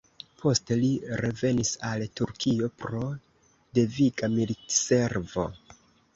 Poste li revenis al Turkio pro deviga militservo.